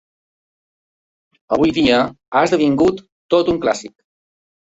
Avui dia ha esdevingut tot un clàssic.